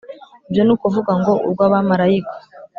ibyo ni ukuvuga ngo urw’abamarayika.